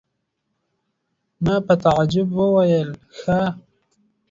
ما په تعجب وویل: ښه!